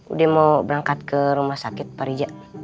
udah mau berangkat ke rumah sakit pak rija